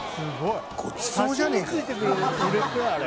ごちそうじゃねえかよ